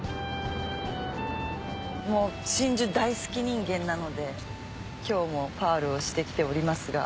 真珠大好き人間なので今日もパールをしてきておりますが。